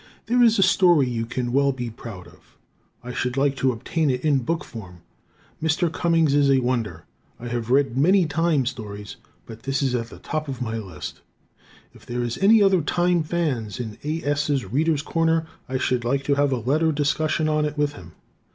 There is a story you can well be proud of. I should like to obtain it in book form. Mr. Cummings is a wonder. I have read many time stories, but his is at the top of my list. If there is any other "time" fan in A. S.'s "Readers' Corner" I should like to have a letter discussion on it with him.